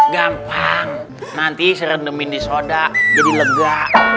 gampang nanti serendah mini soda jadi lega